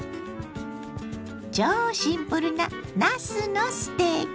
超シンプルななすのステーキ。